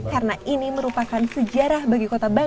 karena ini merupakan sejarah bagi kota bandung